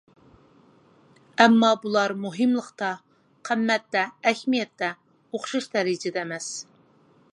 ئەمما بۇلار مۇھىملىقتا، قىممەتتە، ئەھمىيەتتە، ئوخشاش دەرىجىدە ئەمەس.